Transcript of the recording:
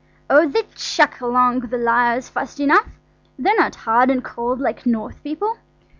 Oh! they'd chuck along the lyres fast enough–they're not hard and cold like North people.